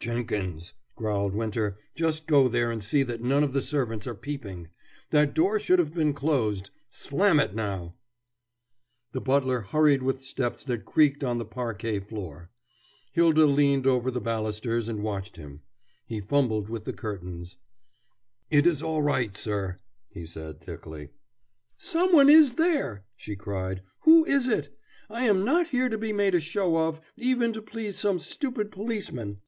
"Jenkins," growled Winter, "just go there and see that none of the servants are peeping. That door should have been closed. Slam it now!" The butler hurried with steps that creaked on the parquet floor. Hylda leaned over the balusters and watched him. He fumbled with the curtains. "It is all right, sir," he said thickly. "Some one is there," she cried. "Who is it? I am not here to be made a show of, even to please some stupid policemen."